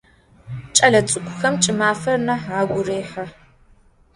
Ç'elets'ık'uxem ç'ımafer nah agu rêhı.